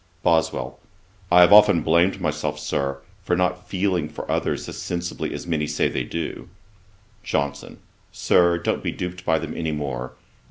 BOSWELL. 'I have often blamed myself, Sir, for not feeling for others as sensibly as many say they do.' JOHNSON. 'Sir, don't be duped by them any more.